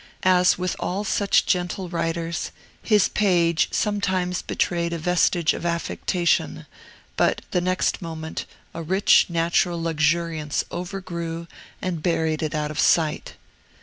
As with all such gentle writers, his page sometimes betrayed a vestige of affectation, but, the next moment, a rich, natural luxuriance overgrew and buried it out of sight.